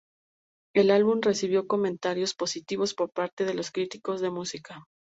El álbum recibió comentarios positivos por parte de los críticos de música.